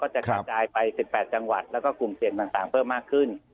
จะกระจายไป๑๘จังหวัดแล้วก็กลุ่มเสี่ยงต่างเพิ่มมากขึ้น